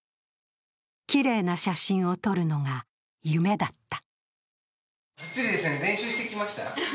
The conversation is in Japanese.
きれいな写真を撮るのが夢だった。